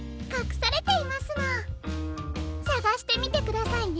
さがしてみてくださいね。